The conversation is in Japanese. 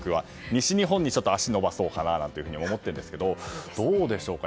西日本に足を延ばそうかなと思ってるんですけどどうでしょうか。